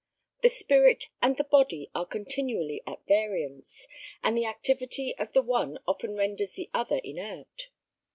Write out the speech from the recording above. The spirit and the body are continually at variance, and the activity of the one often renders the other inert.